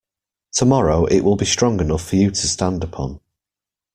Tomorrow it will be strong enough for you to stand upon.